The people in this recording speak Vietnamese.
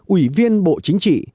ủy viên bộ chính trị